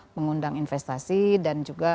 mengundang investasi dan juga